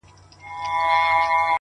• زه خو یارانو نامعلوم آدرس ته ودرېدم ؛